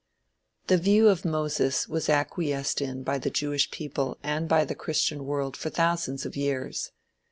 The view of Moses was acquiesced in by the Jewish people and by the Christian world for thousands of years.